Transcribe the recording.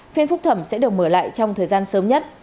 phiên phúc thẩm sẽ được mở lại trong thời gian sớm nhất